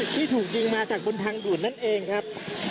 ที่ถูกยิงมาจากบนทางด่วนนั่นเองครับ